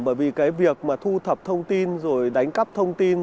bởi vì việc thu thập thông tin đánh cắp thông tin